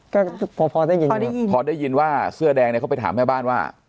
ก็พอพอได้ยินพอดีพอได้ยินว่าเสื้อแดงเนี่ยเขาไปถามแม่บ้านว่า